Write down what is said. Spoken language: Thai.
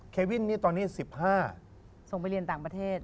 เควินนี่ตอนนี้๑๕ส่งไปเรียนต่างประเทศ